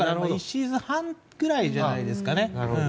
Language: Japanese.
だから、１シーズン半ぐらいじゃないですかね。